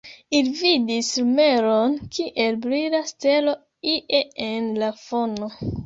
Ili vidis lumeron, kiel brila stelo, ie en la fono.